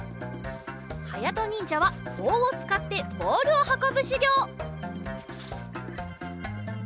はやとにんじゃはぼうをつかってボールをはこぶしゅぎょう。